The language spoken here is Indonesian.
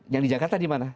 yang di jakarta di mana